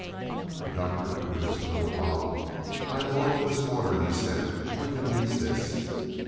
The Doctor produced a little bottle. "I boiled this water," he said. "We can use this."